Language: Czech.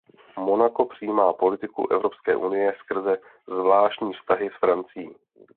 Monako přijímá politiku Evropské unie skrze zvláštní vztahy s Francií.